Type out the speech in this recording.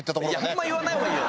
あんま言わない方がいいよ